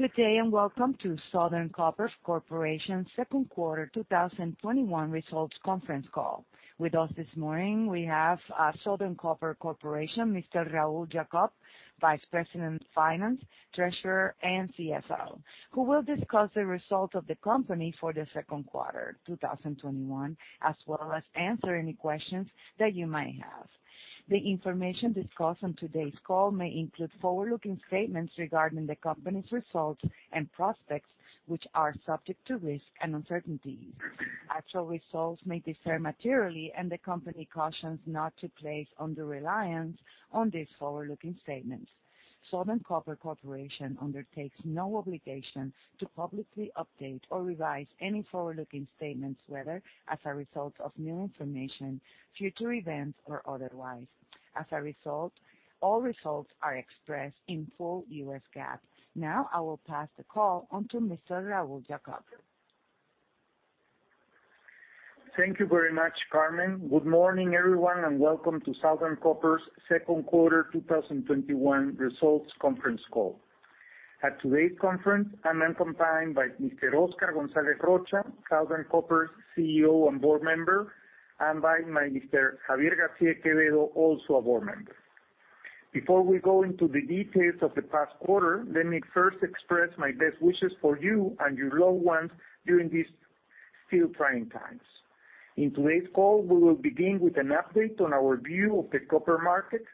Good day, welcome to Southern Copper Corporation's 2Q 2021 results conference call. With us this morning, we have Southern Copper Corporation, Mr. Raul Jacob, Vice President of Finance, Treasurer, and CFO, who will discuss the results of the company for the 2Q 2021, as well as answer any questions that you might have. The information discussed on today's call may include forward-looking statements regarding the company's results and prospects, which are subject to risk and uncertainty. Actual results may differ materially, the company cautions not to place undue reliance on these forward-looking statements. Southern Copper Corporation undertakes no obligation to publicly update or revise any forward-looking statements, whether as a result of new information, future events, or otherwise. As a result, all results are expressed in full US GAAP. Now, I will pass the call on to Mr. Raul Jacob. Thank you very much, Carmen. Good morning, everyone, and welcome to Southern Copper's Q2 2021 results conference call. At today's conference, I'm accompanied by Mr. Oscar González Rocha, Southern Copper's CEO and Board Member, and by Mr. Xavier García de Quevedo, also a Board Member. Before we go into the details of the past quarter, let me first express my best wishes for you and your loved ones during these still trying times. In today's call, we will begin with an update on our view of the copper market.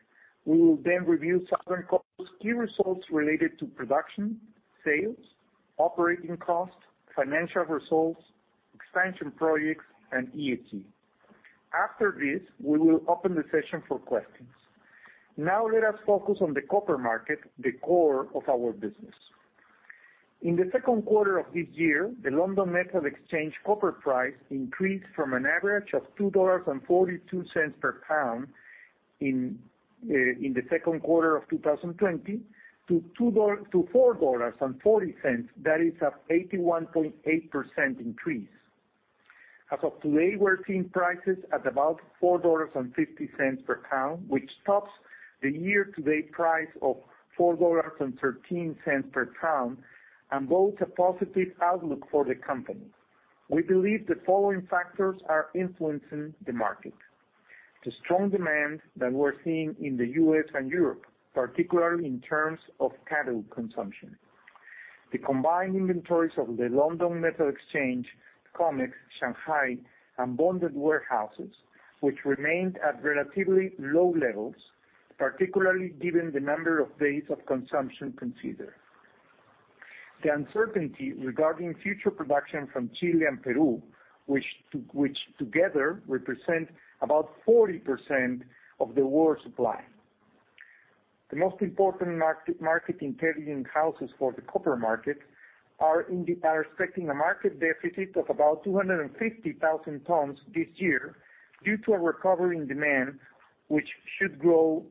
We will then review Southern Copper's key results related to production, sales, operating costs, financial results, expansion projects, and ESG. After this, we will open the session for questions. Now let us focus on the copper market, the core of our business. In the Q2 of this year, the London Metal Exchange copper price increased from an average of $2.42 per pound in the Q2 of 2020 to $4.40. That is an 81.8% increase. As of today, we're seeing prices at about $4.50 per pound, which tops the year-to-date price of $4.13 per pound and bodes a positive outlook for the company. We believe the following factors are influencing the market. The strong demand that we're seeing in the U.S. and Europe, particularly in terms of cable consumption. The combined inventories of the London Metal Exchange, COMEX, Shanghai, and bonded warehouses, which remained at relatively low levels, particularly given the number of days of consumption considered. The uncertainty regarding future production from Chile and Peru, which together represent about 40% of the world supply. The most important market intelligence houses for the copper market are expecting a market deficit of about 250,000 tons this year due to a recovery in demand, which should grow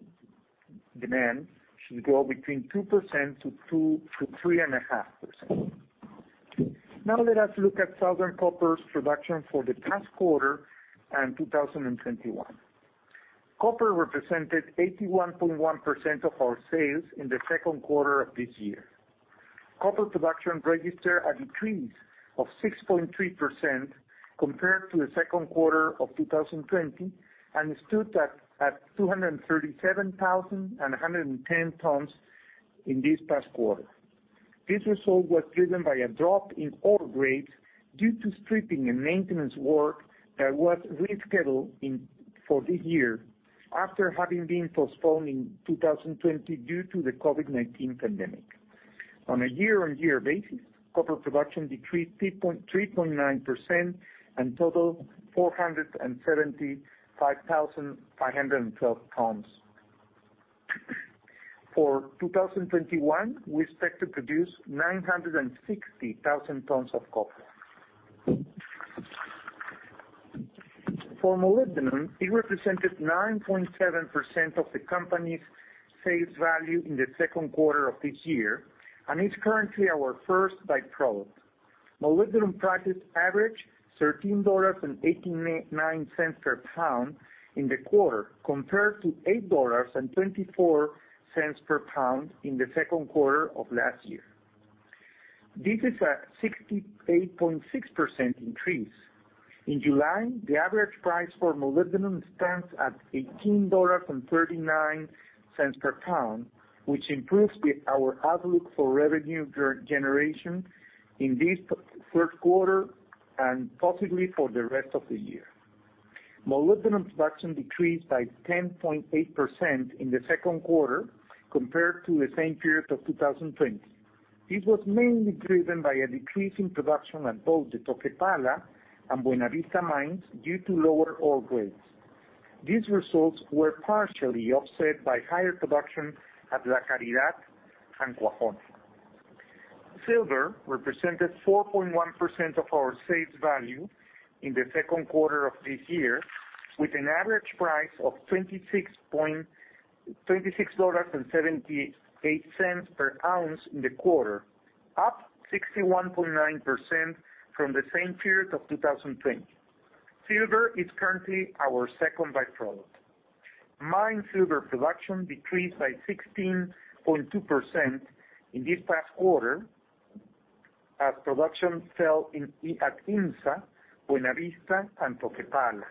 demand between 2%-3.5%. Let us look at Southern Copper's production for the past quarter and 2021. Copper represented 81.1% of our sales in the Q2 of this year. Copper production registered an increase of 6.3% compared to the Q2 of 2020 and stood at 237,110 tons in this past quarter. This result was driven by a drop in ore grades due to stripping and maintenance work that was rescheduled for this year after having been postponed in 2020 due to the COVID-19 pandemic. On a year-on-year basis, copper production decreased 3.9% and totaled 475,512 tons. For 2021, we expect to produce 960,000 tons of copper. For molybdenum, it represented 9.7% of the company's sales value in the Q2 of this year and is currently our first by-product. Molybdenum prices averaged $13.89 per pound in the quarter, compared to $8.24 per pound in the Q2 of last year. This is a 68.6% increase. In July, the average price for molybdenum stands at $18.39 per pound, which improves our outlook for revenue generation in this Q3 and possibly for the rest of the year. Molybdenum production decreased by 10.8% in the Q2 compared to the same period of 2020. This was mainly driven by a decrease in production at both the Toquepala and Buenavista mines due to lower ore grades. These results were partially offset by higher production at La Caridad and Cuajone. Silver represented 4.1% of our sales value in the Q2 of this year, with an average price of $26.78 per ounce in the quarter, up 61.9% from the same period of 2020. Silver is currently our second by-product. Mine silver production decreased by 16.2% in this past quarter, as production fell at IMSA, Buenavista and Toquepala.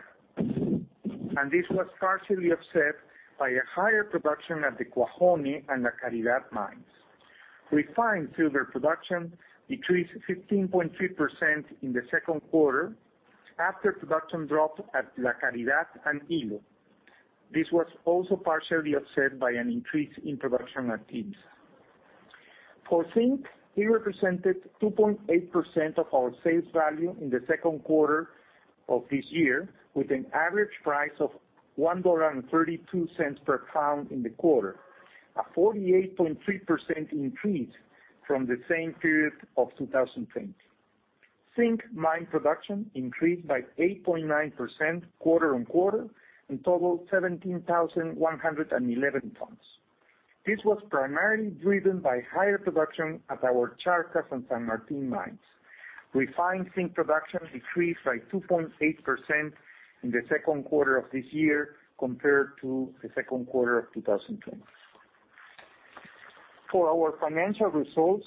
This was partially offset by a higher production at the Cuajone and La Caridad mines. Refined silver production decreased 15.3% in the Q2 after production dropped at La Caridad and Ilo. This was also partially offset by an increase in production at IMSA. For zinc, it represented 2.8% of our sales value in the q2 of this year, with an average price of $1.32 per pound in the quarter, a 48.3% increase from the same period of 2020. Zinc mine production increased by 8.9% quarter-on-quarter and totaled 17,111 tons. This was primarily driven by higher production at our Charcas and San Martin mines. Refined zinc production decreased by 2.8% in the Q2 of this year compared to the Q2 of 2020. For our financial results,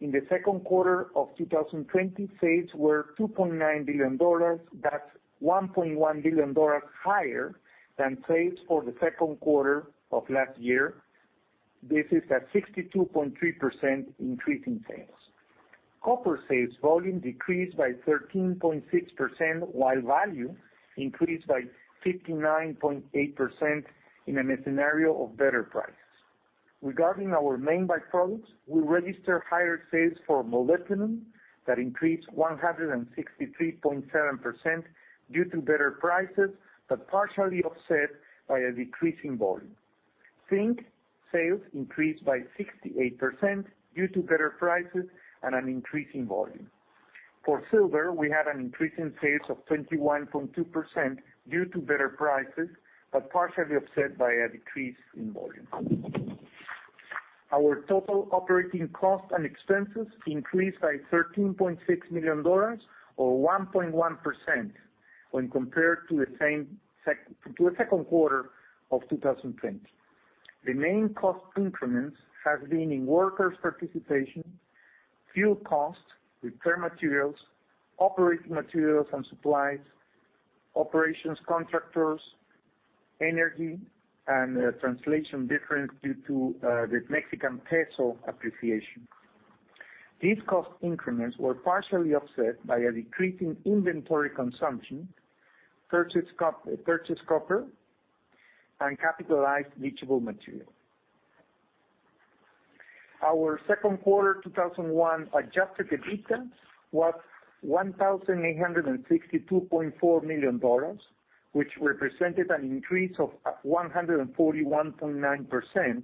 in the Q2 of 2020, sales were $2.9 billion. That's $1.1 billion higher than sales for the Q2 of last year. This is a 62.3% increase in sales. copper sales volume decreased by 13.6%, while value increased by 59.8% in a scenario of better prices. Regarding our main by-products, we registered higher sales for molybdenum that increased 163.7% due to better prices, partially offset by a decrease in volume. zinc sales increased by 68% due to better prices and an increase in volume. For silver, we had an increase in sales of 21.2% due to better prices, partially offset by a decrease in volume. Our total operating costs and expenses increased by $13.6 million or 1.1% when compared to the Q2 of 2020. The main cost increments have been in workers' participation, fuel costs, repair materials, operating materials and supplies, operations contractors, energy, and a translation difference due to the Mexican peso appreciation. These cost increments were partially offset by a decrease in inventory consumption, purchased copper, and capitalized leachable material. Our Q2 2021 adjusted EBITDA was $1,862.4 million, which represented an increase of 141.9%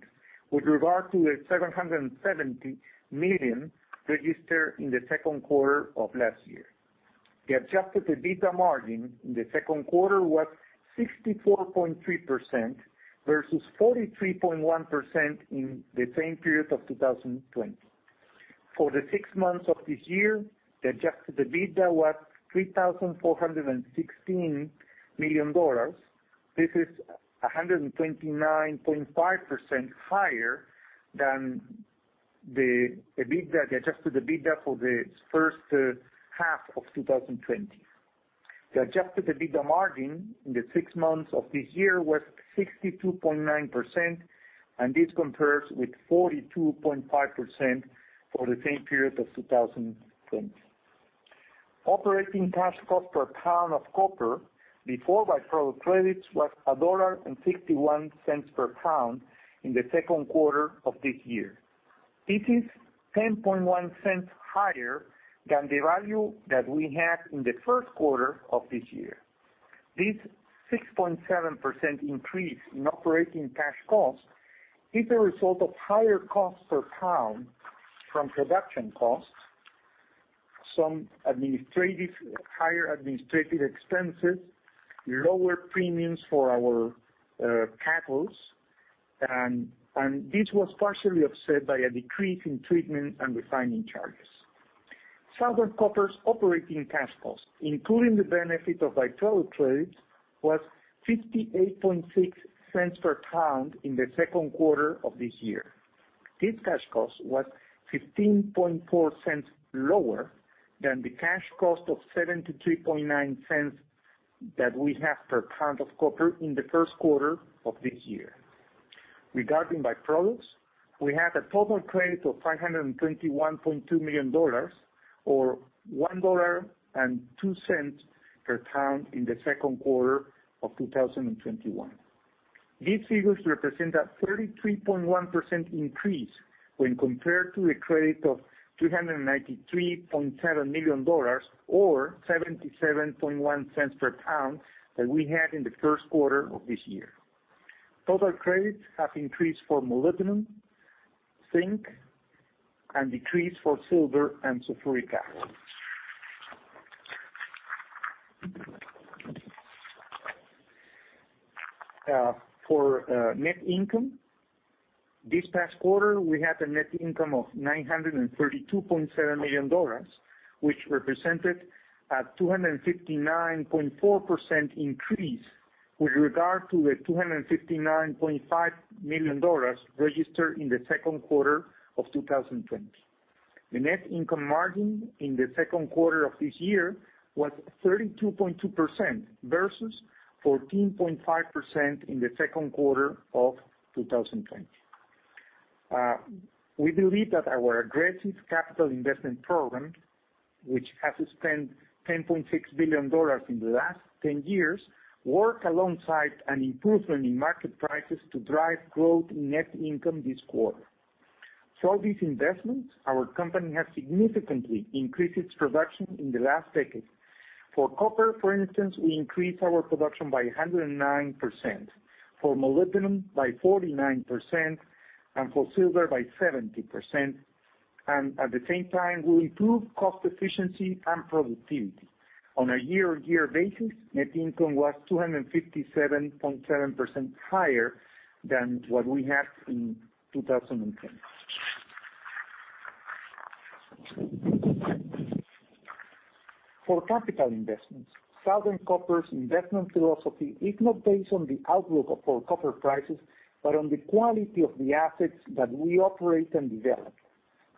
with regard to the $770 million registered in the Q2 of last year. The adjusted EBITDA margin in the Q2 was 64.3% versus 43.1% in the same period of 2020. For the six months of this year, the adjusted EBITDA was $3,416 million. This is 129.5% higher than the adjusted EBITDA for the H1 of 2020. The adjusted EBITDA margin in the six months of this year was 62.9%. This compares with 42.5% for the same period of 2020. Operating cash cost per pound of copper before by-product credits was $1.61 per pound in the Q2 of this year. This is $0.101 higher than the value that we had in the Q1 of this year. This 6.7% increase in operating cash cost is a result of higher cost per pound from production costs, some higher administrative expenses, lower premiums for our cathodes. This was partially offset by a decrease in treatment and refining charges. Southern Copper's operating cash cost, including the benefit of by-product credits, was $0.586 per pound in the Q2 of this year. This cash cost was $0.154 lower than the cash cost of $0.739 that we had per pound of copper in the Q1 of this year. Regarding by-products, we had a total credit of $521.2 million or $1.02 per pound in the Q2 of 2021. These figures represent a 33.1% increase when compared to the credit of $393.7 million or $0.771 per pound that we had in the Q1 of this year. Total credits have increased for molybdenum, zinc, and decreased for silver and sulfuric acid. This past quarter, we had a net income of $932.7 million, which represented a 259.4% increase with regard to the $259.5 million registered in the Q2 of 2020. The net income margin in the Q2 of this year was 32.2% versus 14.5% in the Q2 of 2020. We believe that our aggressive capital investment program, which has spent $10.6 billion in the last 10 years, work alongside an improvement in market prices to drive growth in net income this quarter. For these investments, our company has significantly increased its production in the last decade. For copper, for instance, we increased our production by 109%, for molybdenum by 49%, and for silver by 70%. At the same time, we improved cost efficiency and productivity. On a year-on-year basis, net income was 257.7% higher than what we had in 2010. For capital investments, Southern Copper's investment philosophy is not based on the outlook of copper prices, but on the quality of the assets that we operate and develop.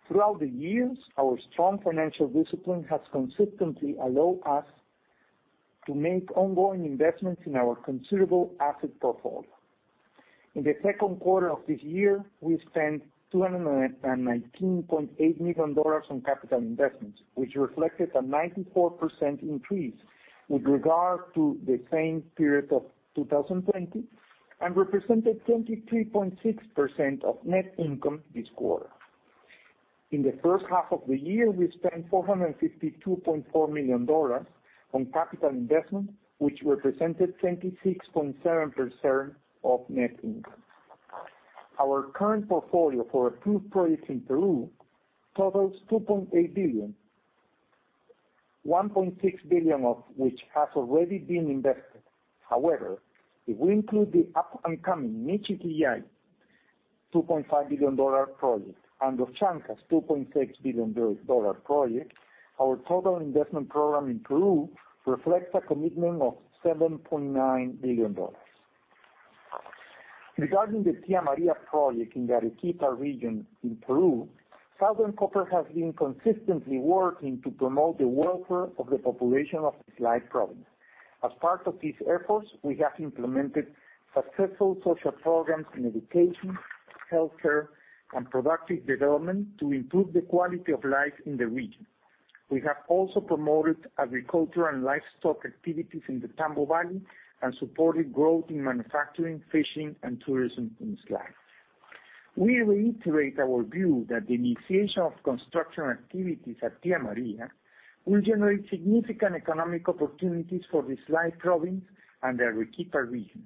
Throughout the years, our strong financial discipline has consistently allowed us to make ongoing investments in our considerable asset portfolio. In the Q2 of this year, we spent $219.8 million on capital investments, which reflected a 94% increase with regard to the same period of 2020 and represented 23.6% of net income this quarter. In the H1 of the year, we spent $452.4 million on capital investment, which represented 26.7% of net income. Our current portfolio for approved projects in Peru totals $2.8 billion, $1.6 billion of which has already been invested. However, if we include the up-and-coming Michiquillay $2.5 billion project and the Los Chancas $2.6 billion project, our total investment program in Peru reflects a commitment of $7.9 billion. Regarding the Tia Maria project in the Arequipa region in Peru, Southern Copper has been consistently working to promote the welfare of the population of Islay province. As part of these efforts, we have implemented successful social programs in education, healthcare, and productive development to improve the quality of life in the region. We have also promoted agriculture and livestock activities in the Tambo Valley and supported growth in manufacturing, fishing, and tourism in Islay. We reiterate our view that the initiation of construction activities at Tia Maria will generate significant economic opportunities for the Islay province and the Arequipa region.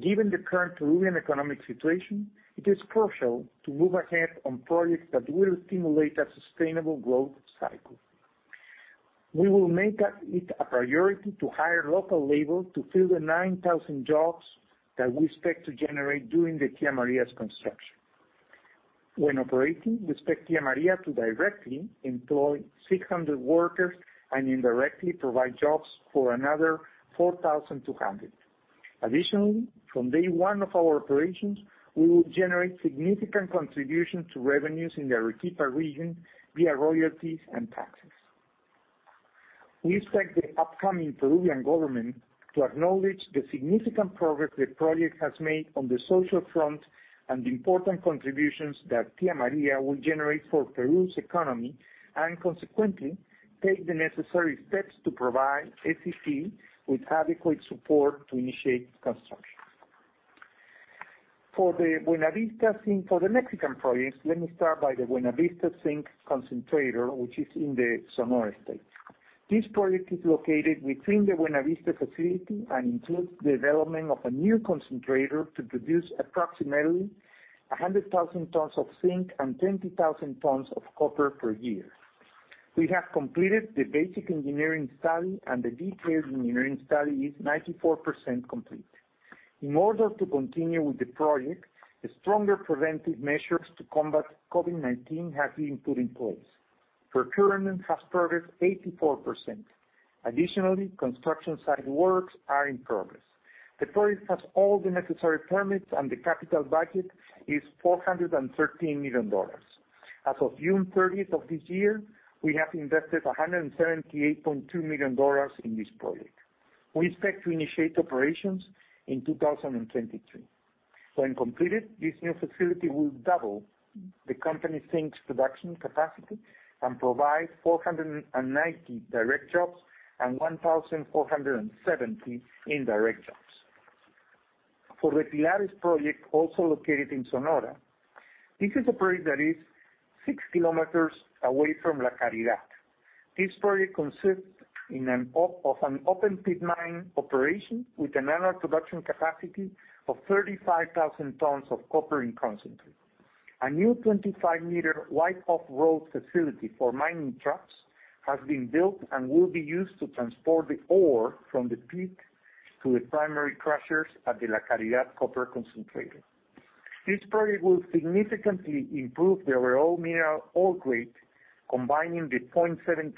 Given the current Peruvian economic situation, it is crucial to move ahead on projects that will stimulate a sustainable growth cycle. We will make it a priority to hire local labor to fill the 9,000 jobs that we expect to generate during the Tia Maria's construction. When operating, we expect Tia Maria to directly employ 600 workers and indirectly provide jobs for another 4,200. Additionally, from day one of our operations, we will generate significant contribution to revenues in the Arequipa region via royalties and taxes. We expect the upcoming Peruvian government to acknowledge the significant progress the project has made on the social front and the important contributions that Tia Maria will generate for Peru's economy, and consequently, take the necessary steps to provide SCC with adequate support to initiate construction. For the Mexican projects, let me start by the Buenavista Zinc concentrator, which is in the Sonora State. This project is located within the Buenavista facility and includes development of a new concentrator to produce approximately 100,000 tons of zinc and 20,000 tons of copper per year. We have completed the basic engineering study, and the detailed engineering study is 94% complete. In order to continue with the project, stronger preventive measures to combat COVID-19 have been put in place. Procurement has progressed 84%. Additionally, construction site works are in progress. The project has all the necessary permits, and the capital budget is $413 million. As of June 30th of this year, we have invested $178.2 million in this project. We expect to initiate operations in 2023. When completed, this new facility will double the company zinc's production capacity and provide 490 direct jobs and 1,470 indirect jobs. For the Pilares project, also located in Sonora, this is a project that is 6 km away from La Caridad. This project consists of an open pit mine operation with an annual production capacity of 35,000 tons of copper in concentrate. A new 25-m wide off-road facility for mining trucks has been built and will be used to transport the ore from the pit to the primary crushers at the La Caridad copper concentrator. This project will significantly improve the overall mineral ore grade, combining the 0.78%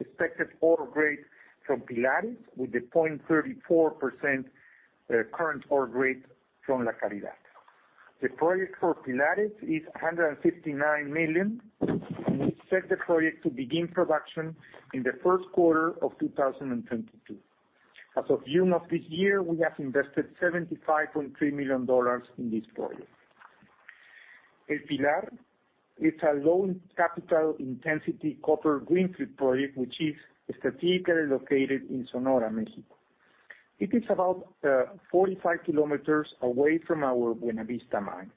expected ore grade from Pilares with the 0.34% current ore grade from La Caridad. The project for Pilares is $159 million, and we expect the project to begin production in the Q1 of 2022. As of June of this year, we have invested $75.3 million in this project. El Pilar is a low capital intensity copper greenfield project, which is strategically located in Sonora, Mexico. It is about 45 km away from our Buenavista mine.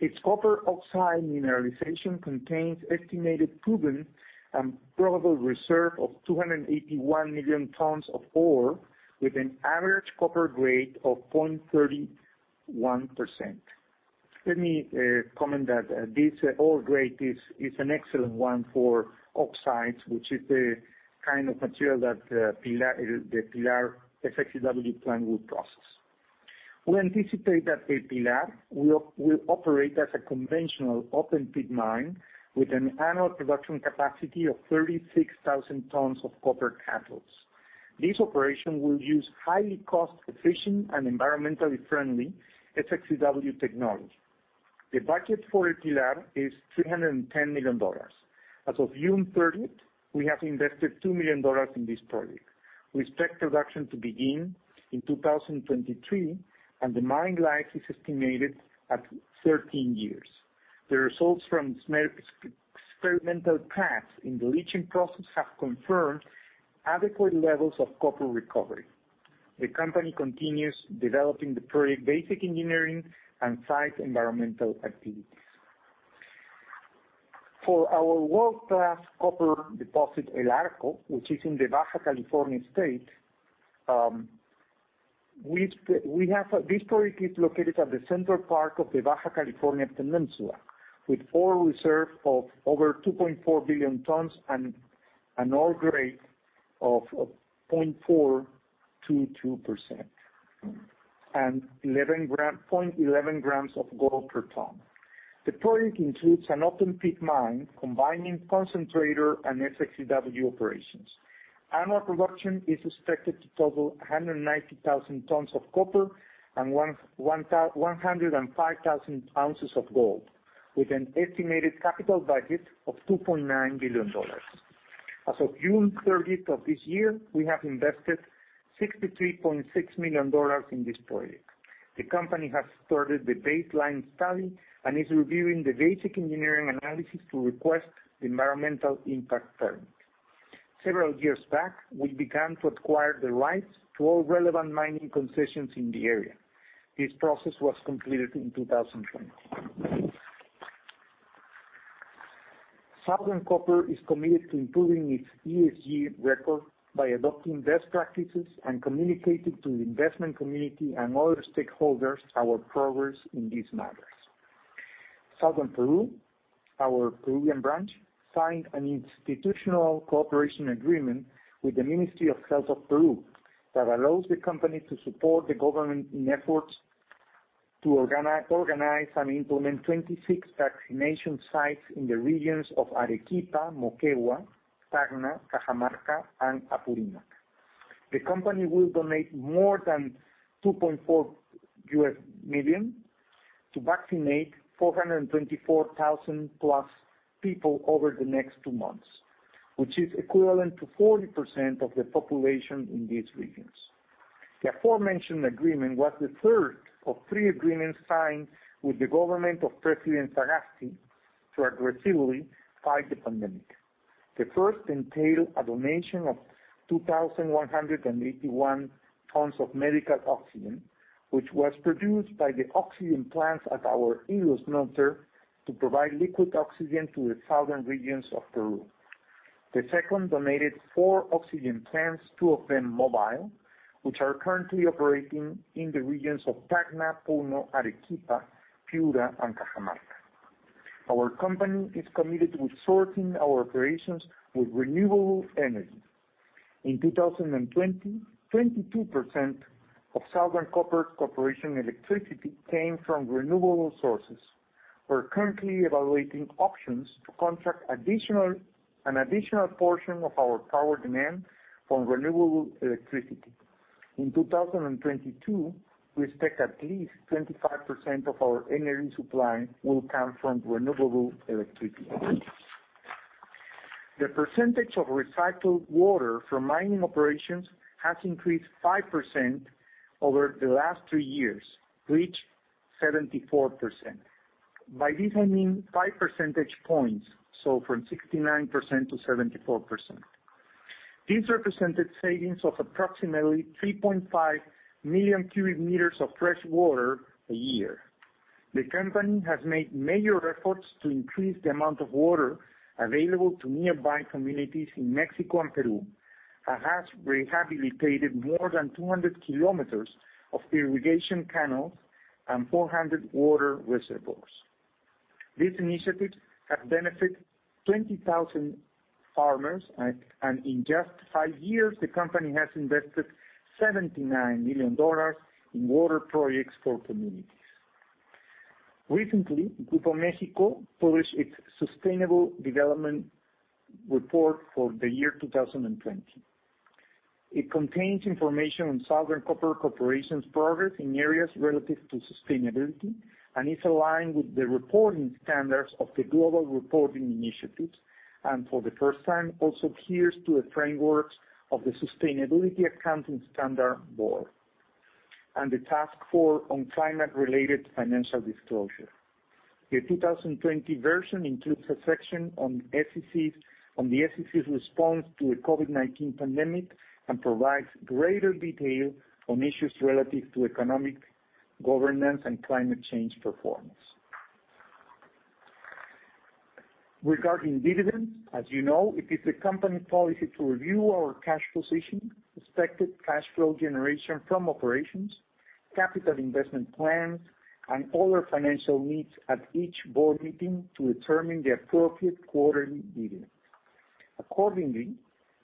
Its copper oxide mineralization contains estimated proven and probable reserve of 281 million tons of ore with an average copper grade of 0.31%. Let me comment that this ore grade is an excellent one for oxides, which is the kind of material that the El Pilar SX-EW plant will process. We anticipate that Pilares will operate as a conventional open pit mine with an annual production capacity of 36,000 tons of copper cathodes. This operation will use highly cost-efficient and environmentally friendly SX-EW technology. The budget for Pilares is $310 million. As of June 30th, we have invested $2 million in this project. We expect production to begin in 2023, and the mine life is estimated at 13 years. The results from experimental tests in the leaching process have confirmed adequate levels of copper recovery. The company continues developing the project basic engineering and site environmental activities. For our world-class copper deposit, El Arco, which is in the Baja California state. This project is located at the central part of the Baja California Peninsula, with ore reserve of over 2.4 billion tons and an ore grade of 0.422%, and 0.11 grams of gold per ton. The project includes an open pit mine combining concentrator and SX-EW operations. Annual production is expected to total 190,000 tons of copper and 105,000 ounces of gold, with an estimated capital budget of $2.9 billion. As of June 30th, of this year, we have invested $63.6 million in this project. The company has started the baseline study and is reviewing the basic engineering analysis to request the environmental impact permit. Several years back, we began to acquire the rights to all relevant mining concessions in the area. This process was completed in 2020. Southern Copper is committed to improving its ESG record by adopting best practices and communicating to the investment community and other stakeholders our progress in these matters. Southern Peru, our Peruvian branch, signed an institutional cooperation agreement with the Ministry of Health of Peru that allows the company to support the government in efforts to organize and implement 26 vaccination sites in the regions of Arequipa, Moquegua, Tacna, Cajamarca, and Apurímac. The company will donate more than $2.4 million to vaccinate 424,000-plus people over the next two months, which is equivalent to 40% of the population in these regions. The aforementioned agreement was the third of three agreements signed with the government of President Sagasti to aggressively fight the pandemic. The first entailed a donation of 2,181 tons of medical oxygen, which was produced by the oxygen plants at our Ilo smelter to provide liquid oxygen to the southern regions of Peru. The second donated four oxygen plants, two of them mobile, which are currently operating in the regions of Tacna, Puno, Arequipa, Piura, and Cajamarca. Our company is committed with sourcing our operations with renewable energy. In 2020, 22% of Southern Copper Corporation electricity came from renewable sources. We're currently evaluating options to contract an additional portion of our power demand from renewable electricity. In 2022, we expect at least 25% of our energy supply will come from renewable electricity. The percentage of recycled water from mining operations has increased 5% over the last three years, to reach 74%. By this, I mean five percentage points, so from 69%-74%. These represented savings of approximately 3.5 million cubic meters of fresh water a year. The company has made major efforts to increase the amount of water available to nearby communities in Mexico and Peru, and has rehabilitated more than 200 km of irrigation canals and 400 water reservoirs. These initiatives have benefited 20,000 farmers, and in just five years, the company has invested $79 million in water projects for communities. Recently, Grupo México published its sustainable development report for the year 2020. It contains information on Southern Copper Corporation's progress in areas relative to sustainability and is aligned with the reporting standards of the Global Reporting Initiative. For the first time, also adheres to the frameworks of the Sustainability Accounting Standards Board and the Task Force on Climate-related Financial Disclosures. The 2020 version includes a section on the SCC's response to the COVID-19 pandemic and provides greater detail on issues relative to economic governance and climate change performance. Regarding dividends, as you know, it is the company policy to review our cash position, expected cash flow generation from operations, capital investment plans, and all our financial needs at each board meeting to determine the appropriate quarterly dividend. Accordingly,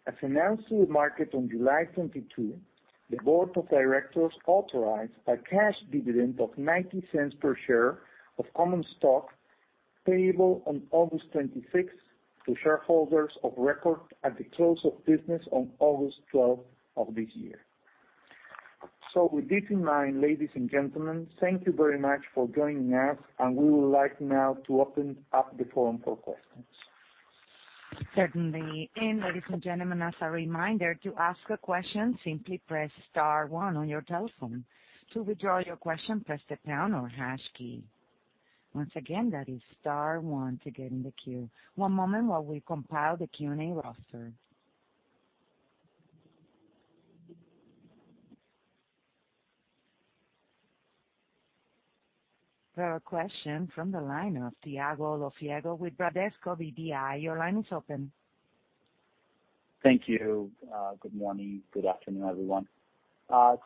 as announced to the market on July 22nd, the board of directors authorized a cash dividend of $0.90 per share of common stock payable on August 26th to shareholders of record at the close of business on August 12th of this year. With this in mind, ladies and gentlemen, thank you very much for joining us, and we would like now to open up the forum for questions. Certainly. Ladies and gentlemen, as a reminder, to ask a question, simply press star one on your telephone. To withdraw your question, press the pound or hash key. Once again, that is star one to get in the queue. 1 moment while we compile the Q&A roster. We have a question from the line of Thiago Lofiego with Bradesco BBI. Your line is open. Thank you. Good morning. Good afternoon, everyone.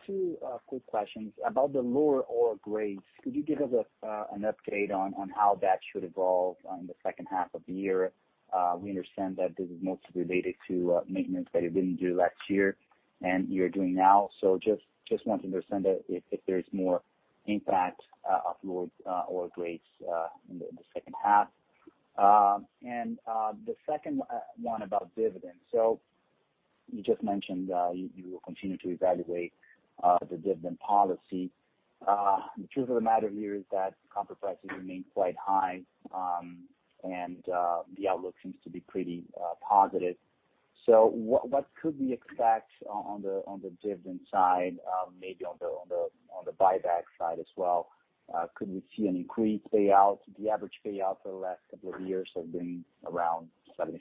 Two quick questions. The lower ore grades, could you give us an update on how that should evolve in the H2 of the year? We understand that this is mostly related to maintenance that you didn't do last year and you're doing now. Just want to understand if there's more impact of lower ore grades in the H2. The second one about dividends. You just mentioned you will continue to evaluate the dividend policy. Truth of the matter here is that copper prices remain quite high and the outlook seems to be pretty positive. What could we expect on the dividend side? Maybe on the buyback side as well. Could we see an increased payout? The average payout for the last couple of years has been around 75%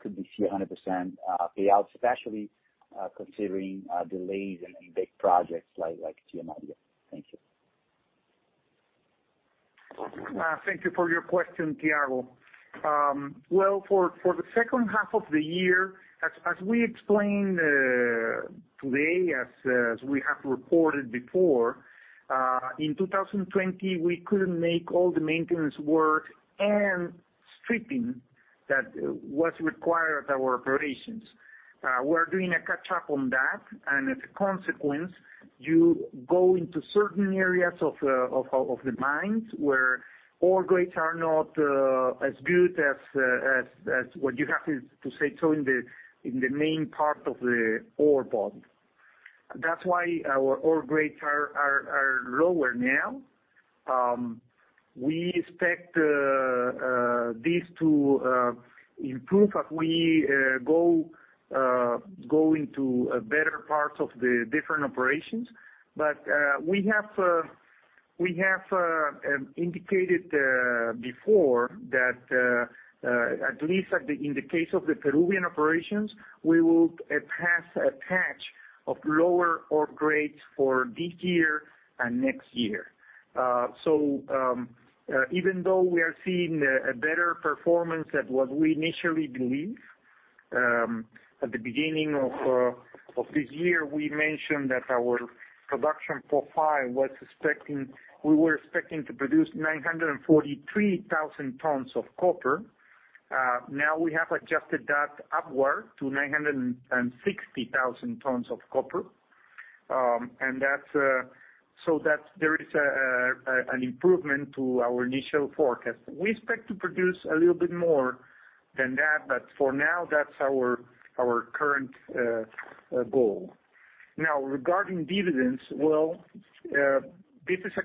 Could we see 100% payout, especially considering delays in big projects like Tia Maria? Thank you. Thank you for your question, Thiago. Well, for the H2 of the year, as we explained today, as we have reported before, in 2020, we couldn't make all the maintenance work and stripping that was required at our operations. We're doing a catch up on that, and as a consequence, you go into certain areas of the mines where ore grades are not as good as what you have to say, so in the main part of the ore body. That's why our ore grades are lower now. We expect this to improve as we go into better parts of the different operations. We have indicated before that at least in the case of the Peruvian operations, we will pass a patch of lower ore grades for this year and next year. Even though we are seeing a better performance at what we initially believed at the beginning of this year, we mentioned that our production profile, we were expecting to produce 943,000 tons of copper. We have adjusted that upward to 960,000 tons of copper. There is an improvement to our initial forecast. We expect to produce a little bit more than that, but for now, that's our current goal. Regarding dividends, well, this is a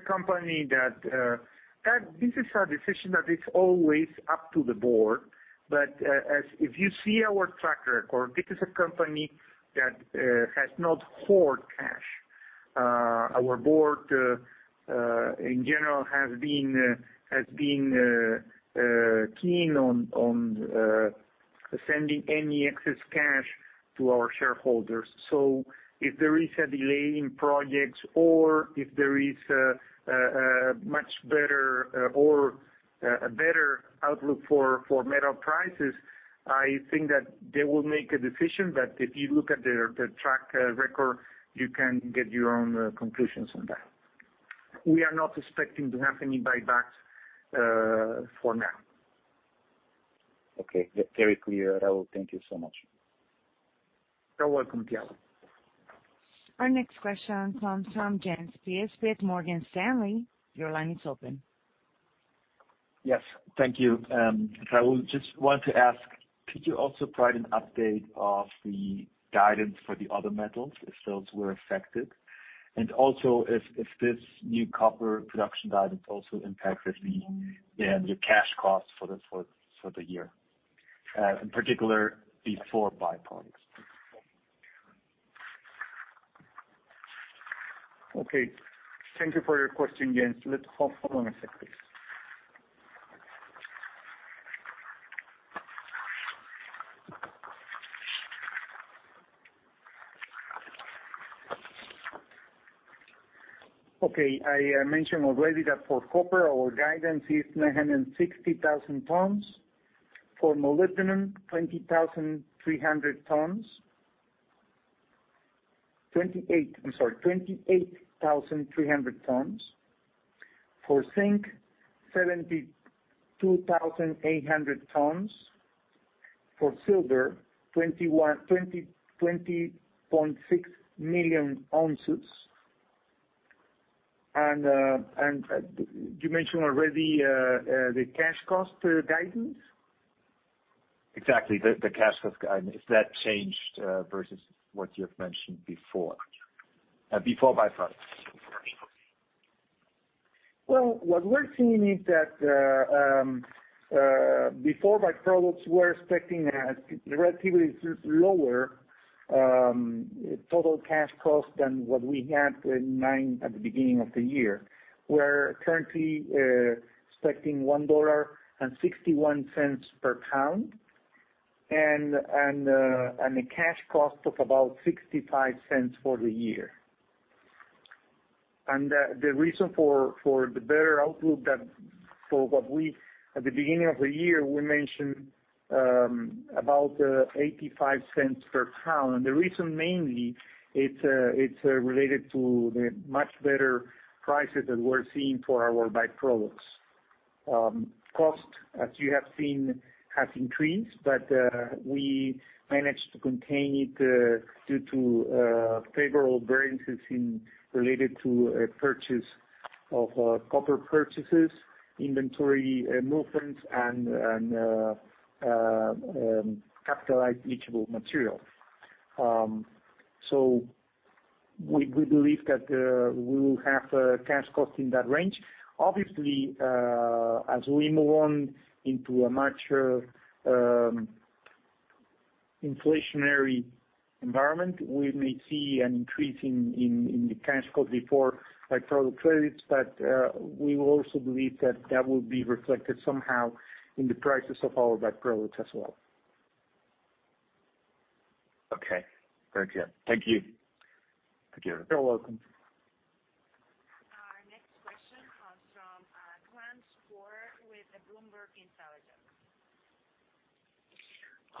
decision that is always up to the board. If you see our track record, this is a company that has not hoarded cash. Our board, in general, has been keen on sending any excess cash to our shareholders. If there is a delay in projects or if there is a much better or a better outlook for metal prices. I think that they will make a decision, but if you look at their track record, you can get your own conclusions on that. We are not expecting to have any buybacks for now. Okay. Very clear, Raul. Thank you so much. You're welcome, Piero. Our next question comes from Jens Spiess with Morgan Stanley. Your line is open. Yes. Thank you. Raul, just wanted to ask, could you also provide an update of the guidance for the other metals if those were affected? Also, if this new copper production guidance also impacted the annual cash cost for the year, in particular the four by-products. Okay. Thank you for your question, Jens. Let's hold on a sec, please. I mentioned already that for copper, our guidance is 960,000 tons. For molybdenum, 20,300 tons. I'm sorry, 28,300 tons. For zinc, 72,800 tons. For silver, 21.6 million ounces. Did you mention already the cash cost guidance? Exactly, the cash cost guidance. If that changed, versus what you've mentioned before. Before by-products. Well, what we're seeing is that, before by-products, we're expecting a relatively lower total cash cost than what we had in mind at the beginning of the year. We're currently expecting $1.61 per pound and a cash cost of about $0.65 for the year. The reason for the better outlook, at the beginning of the year, we mentioned about $0.85 per pound. The reason mainly, it's related to the much better prices that we're seeing for our by-products. Cost, as you have seen, has increased, but we managed to contain it due to favorable variances related to purchase of copper purchases, inventory movements, and capitalized leachable material. We believe that we will have a cash cost in that range. Obviously, as we move on into a much inflationary environment, we may see an increase in the cash cost before by-product credits. We will also believe that will be reflected somehow in the prices of our by-products as well. Okay. Very clear. Thank you. Thank you. You're welcome.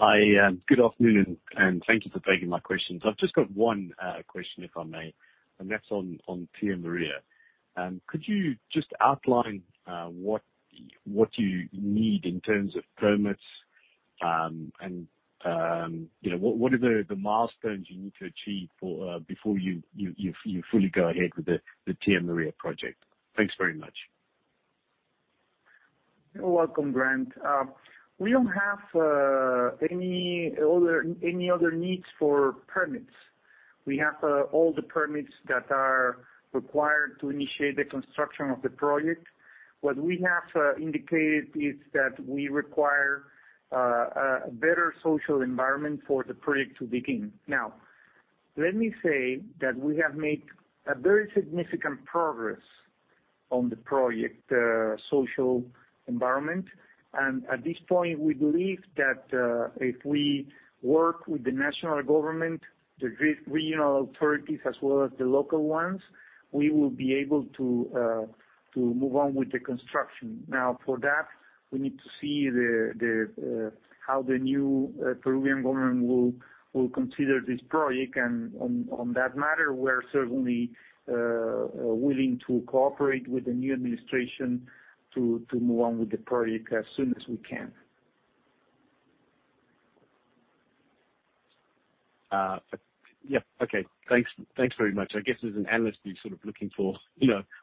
Our next question comes from Grant Sporre with the Bloomberg Intelligence. Hi, good afternoon. Thank you for taking my questions. I've just got one question, if I may. That's on Tia Maria. Could you just outline what you need in terms of permits? What are the milestones you need to achieve before you fully go ahead with the Tia Maria project? Thanks very much. You're welcome, Grant. We don't have any other needs for permits. We have all the permits that are required to initiate the construction of the project. What we have indicated is that we require a better social environment for the project to begin. Let me say that we have made a very significant progress on the project social environment. At this point, we believe that if we work with the national government, the regional authorities, as well as the local ones, we will be able to move on with the construction. For that, we need to see how the new Peruvian government will consider this project. On that matter, we're certainly willing to cooperate with the new administration to move on with the project as soon as we can. Yep. Okay. Thanks very much. I guess as an analyst, you're sort of looking for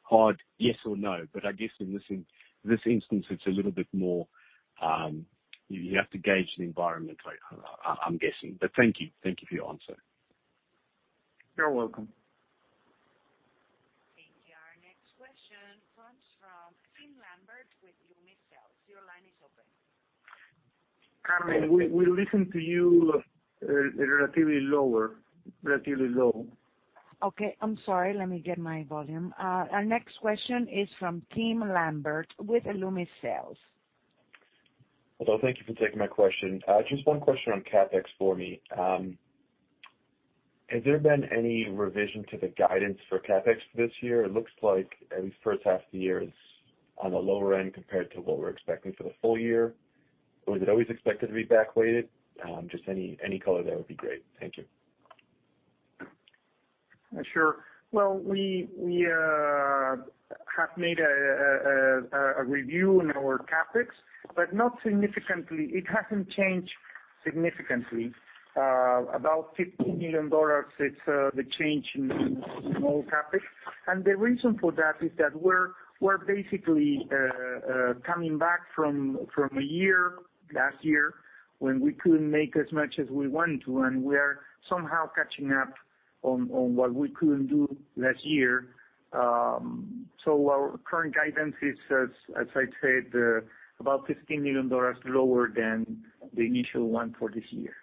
hard yes or no. I guess in this instance, it's a little bit more, you have to gauge the environment, I'm guessing. Thank you. Thank you for your answer. You're welcome. Okay, our next question comes from Tim Lambert with Loomis, Sayles & Company. Your line is open. Carmen, we listen to you relatively lower, relatively low. I'm sorry. Let me get my volume. Our next question is from Tim Lambert with Loomis, Sayles. Hello. Thank you for taking my question. Just one question on CapEx for me. Has there been any revision to the guidance for CapEx this year? It looks like at least the H1 of the year is on the lower end compared to what we're expecting for the full year. Was it always expected to be back weighted? Just any color there would be great. Thank you. Sure. We have made a review in our CapEx, but not significantly. It hasn't changed significantly. About $15 million is the change in our CapEx. The reason for that is that we're basically coming back from last year when we couldn't make as much as we want to, and we are somehow catching up on what we couldn't do last year. Our current guidance is, as I said, about $15 million lower than the initial one for this year.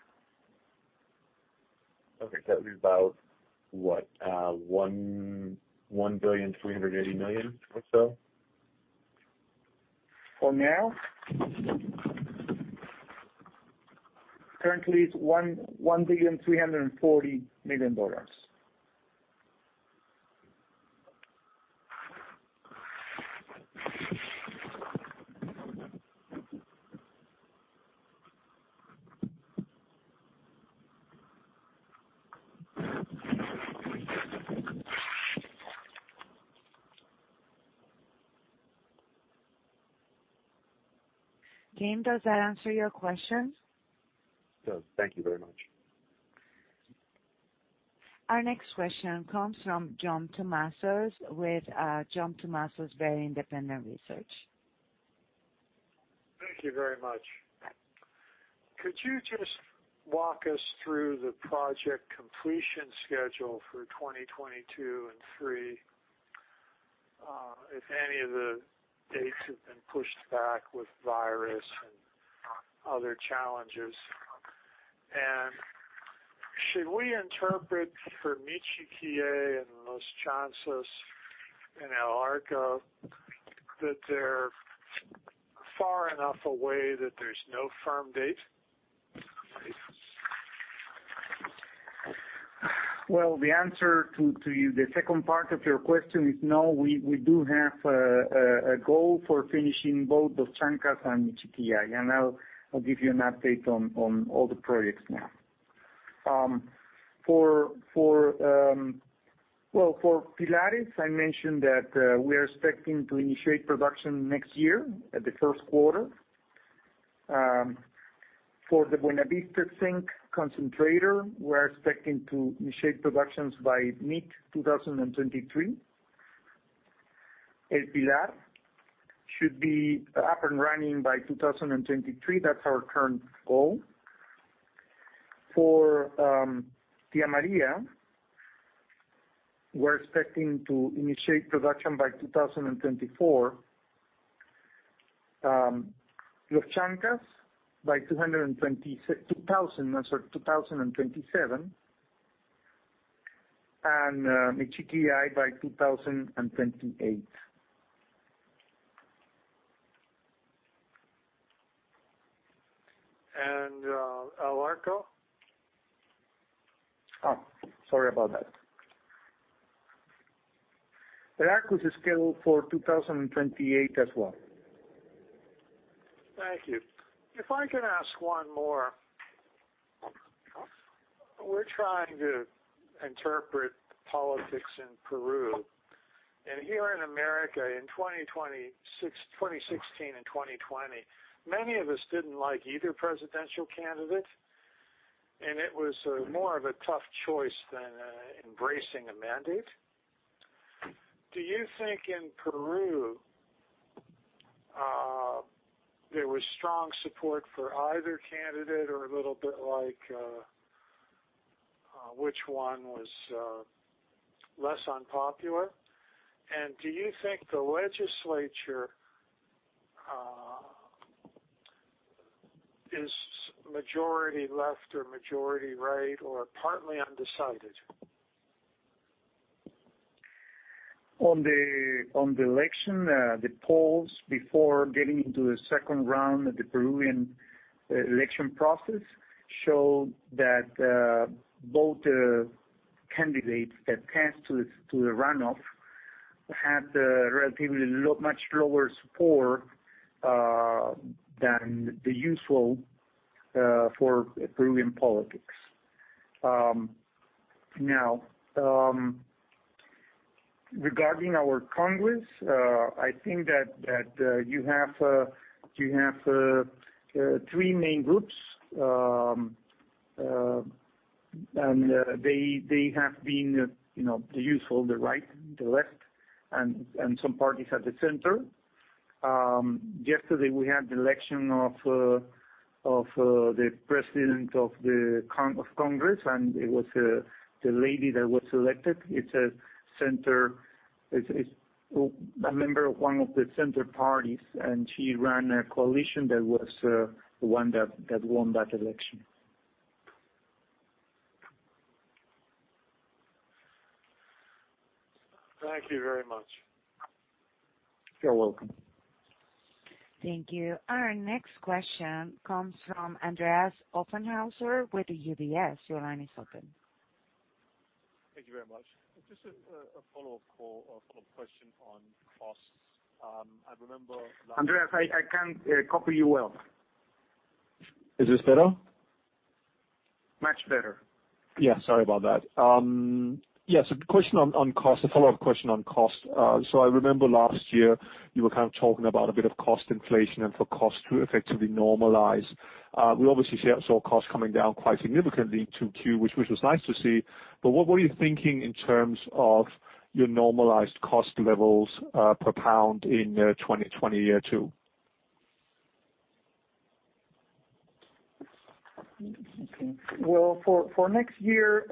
Okay. That'll be about, what, $1.38 billion or so? For now? Currently, it's $1.34 billion. Tim, does that answer your question? It does. Thank you very much. Our next question comes from John Tumazos with John Tumazos Very Independent Research. Thank you very much. Could you just walk us through the project completion schedule for 2022 and 2023, if any of the dates have been pushed back with virus and other challenges? Should we interpret for Michiquillay and Los Chancas and El Arco that they're far enough away that there's no firm date? Well, the answer to the second part of your question is no. We do have a goal for finishing both Los Chancas and Michiquillay, and I'll give you an update on all the projects now. Well, for Pilares, I mentioned that we are expecting to initiate production next year at the Q1. For the Buenavista zinc concentrator, we're expecting to initiate productions by mid-2023. El Pilar should be up and running by 2023. That's our current goal. For Tia Maria, we're expecting to initiate production by 2024. Los Chancas by 2027. Michiquillay by 2028. El Arco? Oh, sorry about that. El Arco is scheduled for 2028 as well. Thank you. If I could ask one more. We're trying to interpret politics in Peru. Here in America in 2016 and 2020, many of us didn't like either presidential candidate, and it was more of a tough choice than embracing a mandate. Do you think in Peru there was strong support for either candidate or a little bit like which one was less unpopular? Do you think the legislature is majority left or majority right or partly undecided? On the election, the polls before getting into the second round of the Peruvian election process showed that both candidates that came to the runoff had relatively much lower support than the usual for Peruvian politics. Regarding our Congress, I think that you have three main groups. They have been the usual, the right, the left, and some parties at the center. Yesterday we had the election of the President of Congress, it was the lady that was elected. It's a member of one of the center parties, she ran a coalition that won that election. Thank you very much. You're welcome. Thank you. Our next question comes from Andreas Bokkenheuser with UBS. Your line is open. Thank you very much. Just a follow-up call or follow-up question on costs. I remember. Andreas, I can't copy you well. Is this better? Much better. Yeah. Sorry about that. Question on cost, a follow-up question on cost. I remember last year you were kind of talking about a bit of cost inflation and for cost to effectively normalize. We obviously saw cost coming down quite significantly in Q2, which was nice to see. What were you thinking in terms of your normalized cost levels per pound in 2020 year two? Okay. Well, for next year,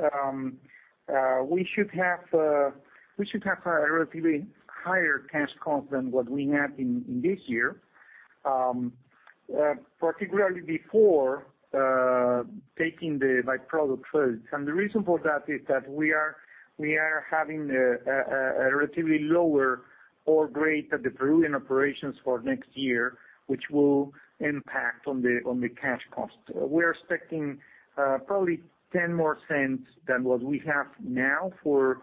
we should have a relatively higher cash cost than what we had in this year, particularly before taking the by-product credits. The reason for that is that we are having a relatively lower ore grade at the Peruvian operations for next year, which will impact on the cash cost. We're expecting probably $0.10 more than what we have now for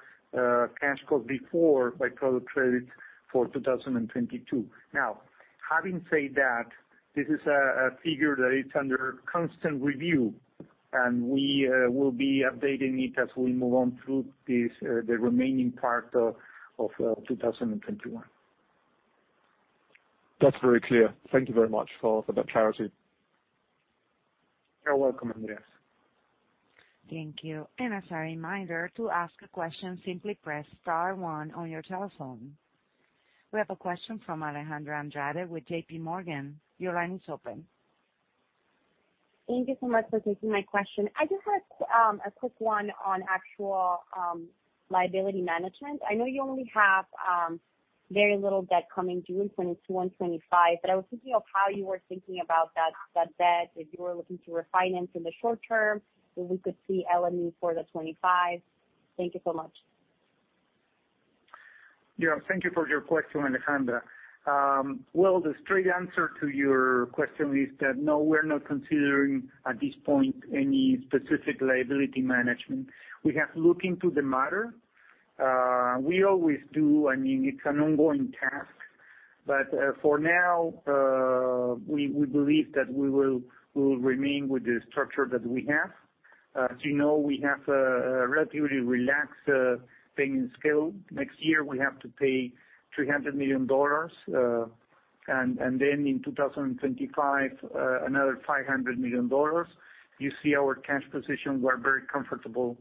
cash cost before by-product credit for 2022. Having said that, this is a figure that is under constant review, and we will be updating it as we move on through the remaining part of 2021. That's very clear. Thank you very much for that clarity. You're welcome, Andreas. Thank you. As a reminder, to ask a question, simply press star one on your telephone. We have a question from Alejandra Andrade with J.P. Morgan. Your line is open. Thank you so much for taking my question. I just had a quick one on actual liability management. I know you only have very little debt coming due in 2022 and 2025, I was thinking of how you were thinking about that debt, if you were looking to refinance in the short term, if we could see LME for the 2025. Thank you so much. Yeah. Thank you for your question, Alejandra. Well, the straight answer to your question is that no, we're not considering at this point any specific liability management. We have looked into the matter. We always do. It's an ongoing task. For now, we believe that we will remain with the structure that we have. As you know, we have a relatively relaxed payment scale. Next year, we have to pay $300 million, then in 2025, another $500 million. You see our cash position, we're very comfortable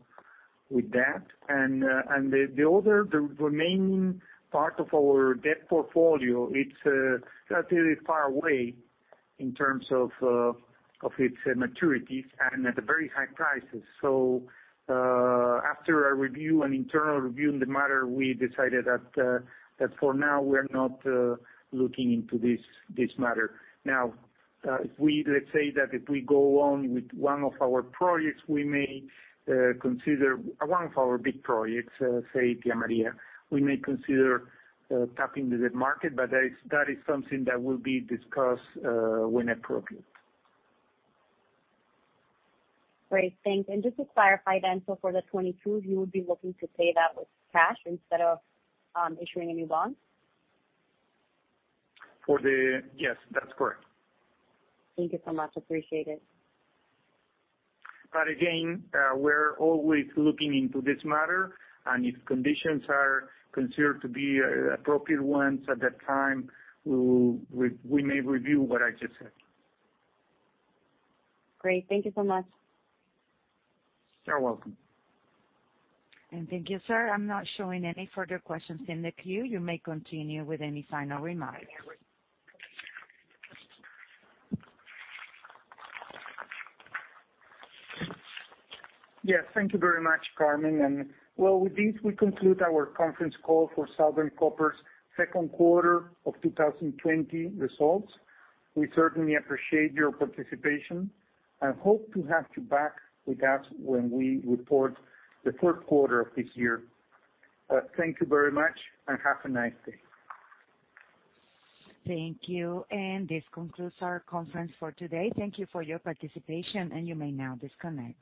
with that. The remaining part of our debt portfolio, it's relatively far away in terms of its maturities and at very high prices. After an internal review in the matter, we decided that for now, we're not looking into this matter. Let's say that if we go on with one of our projects, one of our big projects, say Tia Maria, we may consider tapping the debt market, but that is something that will be discussed when appropriate. Great. Thanks. Just to clarify then, so for the 2022, you would be looking to pay that with cash instead of issuing a new bond? Yes, that's correct. Thank you so much. Appreciate it. Again, we're always looking into this matter, and if conditions are considered to be appropriate ones at that time, we may review what I just said. Great. Thank you so much. You're welcome. Thank you, sir. I'm not showing any further questions in the queue. You may continue with any final remarks. Yes, thank you very much, Carmen. Well, with this, we conclude our conference call for Southern Copper's Q2 of 2020 results. We certainly appreciate your participation and hope to have you back with us when we report the Q4 of this year. Thank you very much and have a nice day. Thank you. This concludes our conference for today. Thank you for your participation, and you may now disconnect.